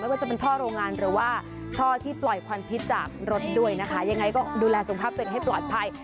ว่าจะเป็นท่อโรงงานหรือว่าท่อที่ปล่อยควันพิษจากรถด้วยนะคะยังไงก็ดูแลสุขภาพตัวเองให้ปลอดภัย